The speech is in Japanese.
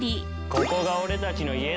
ここが俺たちの家だ。